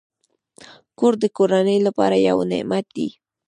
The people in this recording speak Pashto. کور د کورنۍ لپاره یو نعمت دی.